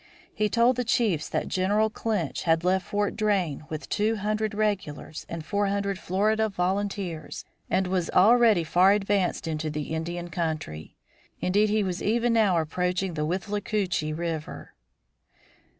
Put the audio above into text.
He told the chiefs that General Clinch had left Fort Drane with two hundred regulars and four hundred Florida volunteers, and was already far advanced into the Indian country. Indeed he was even now approaching the Withlacoochee River.